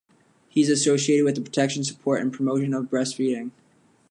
He is associated with the protection, support and promotion of breastfeeding.